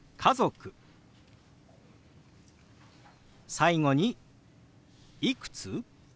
最後に「いくつ？」。